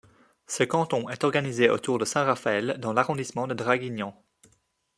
Ce canton est organisé autour de Saint-Raphaël dans l'arrondissement de Draguignan.